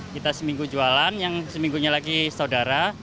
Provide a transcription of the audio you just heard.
kita seminggu jualan yang seminggunya lagi saudara